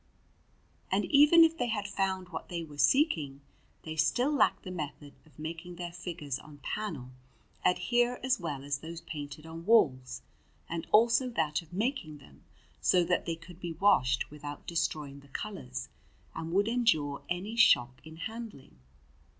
And even if they had found what they were seeking, they still lacked the method of making their figures on panel adhere as well as those painted on walls, and also that of making them so that they could be washed without destroying the colours, and would endure any shock in handling.